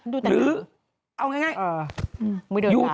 ดูแต่นี้เอาอย่างไรอ่าไม่เดินทาง